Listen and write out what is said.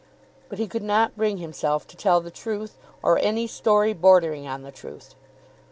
But he could not bring himself to tell the truth, or any story bordering on the truth.